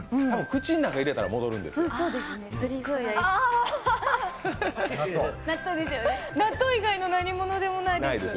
口の中に入れたら戻るんですよ。